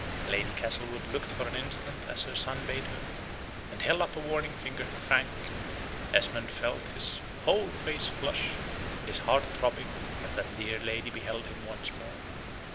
Lady Castlewood looked for an instant as her son bade her, and held up a warning finger to Frank; Esmond felt his whole face flush, and his heart throbbing, as that dear lady beheld him once more.